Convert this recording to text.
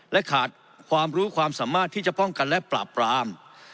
และขาดความรู้ความสามารถที่จะป้องกันและปราบปราม